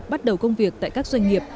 bắt đầu công việc tại các doanh nghiệp